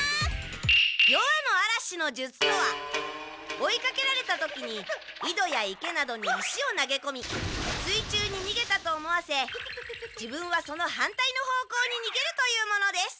夜半の嵐の術とは追いかけられた時に井戸や池などに石を投げこみ水中に逃げたと思わせ自分はその反対の方向に逃げるというものです。